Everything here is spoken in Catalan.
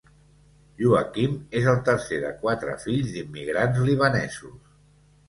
Youakim és el tercer de quatre fills d'immigrants libanesos.